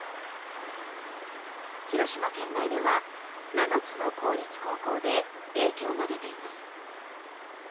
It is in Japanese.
広島県内では７つの公立高校で影響が出ています。